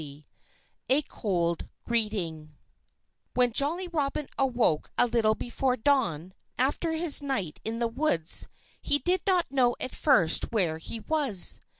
XXIII A COLD GREETING When Jolly Robin awoke a little before dawn, after his night in the woods, he did not know at first where he was.